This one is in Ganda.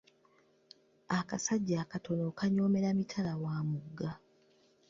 Akasajja akatono okanyoomera mitala wa mugga.